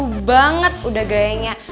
malu banget udah gayanya